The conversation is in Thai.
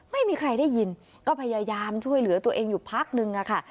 ไม่มีใครได้ยินก็พยายามช่วยเหลือตัวเองอยู่พักนึงค่ะ